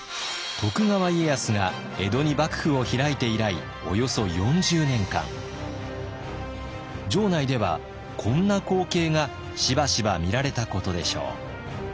徳川家康が江戸に幕府を開いて以来およそ４０年間城内ではこんな光景がしばしば見られたことでしょう。